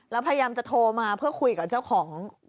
แล้วพยายามจะโทรมาเพื่อคุยกับเจ้าของ